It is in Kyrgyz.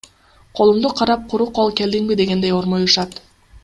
Колумду карап, куру кол келдиңби дегендей ормоюшат.